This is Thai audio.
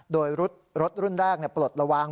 โดยรถรุ่นแรกเนี่ยปลดระวาง